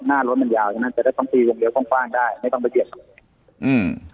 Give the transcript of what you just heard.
หน้ารถมันยาวอย่างนั้นแต่ถ้าต้องตีวงเลี้ยวต้องกว้างได้ไม่ต้องไปเกียรติ